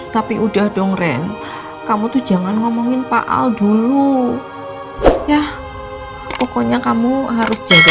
tapi udah dong ren kamu tuh jangan ngomongin pak al dulu ya pokoknya kamu harus jaga